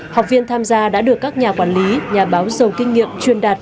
học viên tham gia đã được các nhà quản lý nhà báo giàu kinh nghiệm truyền đạt